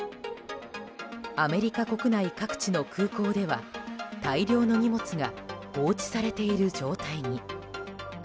アメリカ国内各地の空港では大量の荷物が放置されている状態に。